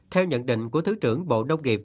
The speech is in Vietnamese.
theo nhận định của thứ trưởng bộ nông nghiệp